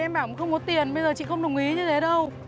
em bảo không có tiền bây giờ chị không đồng ý như thế đâu